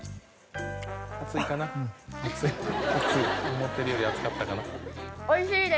思うてるより熱かったかな？